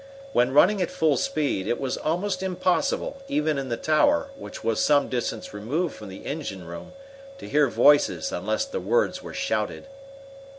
When running at full speed, it was almost impossible, even in the tower, which was some distance removed from the engine room, to hear voices unless the words were shouted.